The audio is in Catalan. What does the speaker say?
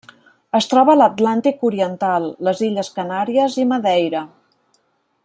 Es troba a l'Atlàntic oriental: les illes Canàries i Madeira.